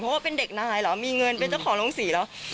เพราะว่าเป็นเด็กนายเหรอมีเงินเป็นเจ้าของโรงศรีเหรอ